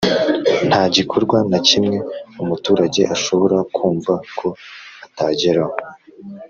Nta gikorwa na kimwe umuturage ashobora kumva ko atageraho